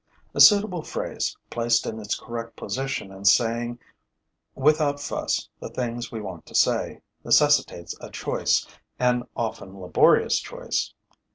A suitable phrase, placed in its correct position and saying without fuss the things we want to say, necessitates a choice, an often laborious choice.